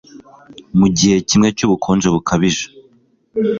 Mu gihe kimwe cyubukonje bukabije